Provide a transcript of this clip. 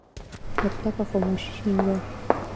مطلق خاموشي وه .